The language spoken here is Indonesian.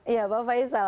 ya bapak ishal